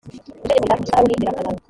itegeko rya zahabu ni ingirakamaro